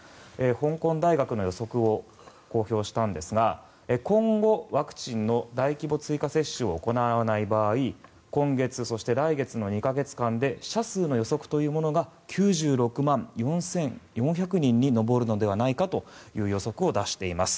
香港大学の予測を公表したんですが今後、ワクチンの大規模追加接種を行わない場合今月そして来月の２か月間で死者数の予測というものが９６万４４００人に上るのではないかという予測を出しています。